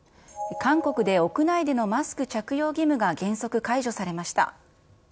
韓国で屋内でのマスク着用義務が原則解除されました。